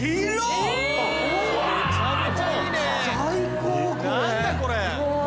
最高これ。